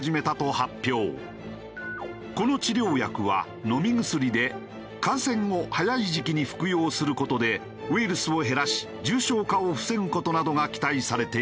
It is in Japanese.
この治療薬は飲み薬で感染後早い時期に服用する事でウイルスを減らし重症化を防ぐ事などが期待されている。